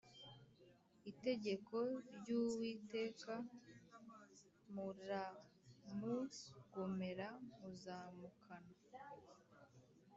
itegeko ry Uwiteka muramugomera muzamukana